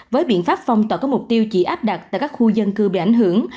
với biện pháp phong tỏa các mục tiêu chỉ áp đặt tại các khu dân cư bị ảnh hưởng